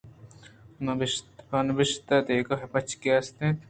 پہ نبشتہ دگہ بچکے است اِنت